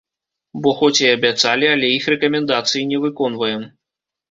Бо хоць і абяцалі, але іх рэкамендацыі не выконваем.